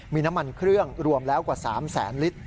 มีน้ำมันเครื่องรวมแล้วกว่า๓แสนลิตร